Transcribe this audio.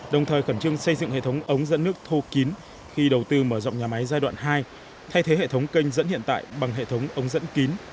đồng thời khẩn trương xây dựng hệ thống ống dẫn nước thô kín khi đầu tư mở rộng nhà máy giai đoạn hai thay thế hệ thống kênh dẫn hiện tại bằng hệ thống ống dẫn kín